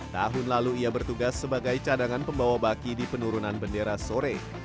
tahun lalu ia bertugas sebagai cadangan pembawa baki di penurunan bendera sore